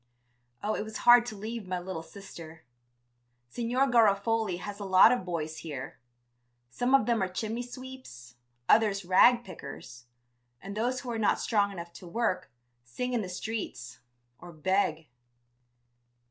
Oh, it was hard to leave my little sister.... Signor Garofoli has a lot of boys here, some of them are chimney sweeps, others rag pickers, and those who are not strong enough to work, sing in the streets or beg.